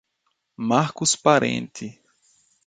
Marcos Parente